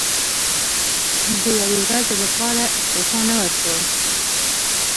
د یوې ورځې لپاره استعفا نه ورکووم.